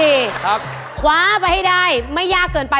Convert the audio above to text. อุปกรณ์ทำสวนชนิดใดราคาถูกที่สุด